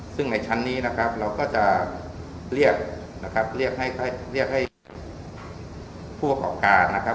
ซึ่งในชั้นนี้นะครับเราก็จะเรียกให้ผู้ประกอบการณ์นะครับ